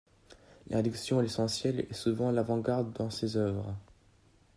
La réduction à l'essentiel est souvent à l'avant-garde dans ses œuvres.